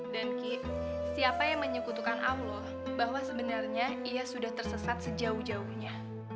dan kik siapa yang menyekutukan allah bahwa sebenernya ia sudah tersesat sejauh jauhnya